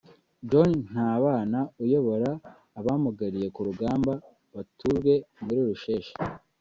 John Ntabana uyobora abamugariye ku rugamba batujwe muri Rusheshe